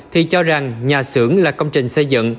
thì cho rằng nhà xưởng là công trình xây dựng